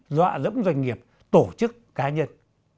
dọa lẫm doanh nghiệp tổ chức cá nhân